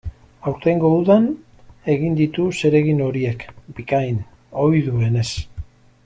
Aurtengo udan egin ditu zeregin horiek, bikain, ohi duenez.